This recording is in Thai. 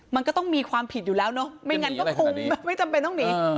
มันก็ต้องมีความผิดอยู่แล้วเนอะไม่งั้นก็คงไม่จำเป็นต้องหนี